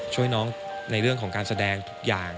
ช่วยน้องในเรื่องของการแสดงทุกอย่าง